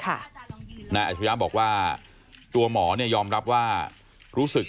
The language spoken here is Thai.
ร้องร้องร้องร้องร้อง